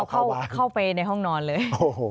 เข้าไปในห้องนอนเลย